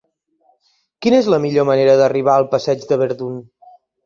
Quina és la millor manera d'arribar al passeig de Verdun?